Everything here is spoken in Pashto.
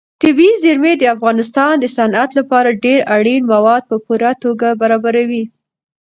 طبیعي زیرمې د افغانستان د صنعت لپاره ډېر اړین مواد په پوره توګه برابروي.